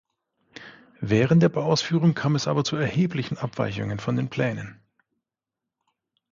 Während der Bauausführung kam es aber zu erheblichen Abweichungen von den Plänen.